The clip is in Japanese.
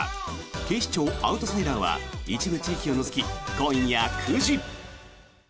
「警視庁アウトサイダー」は一部地域を除き、今夜９時。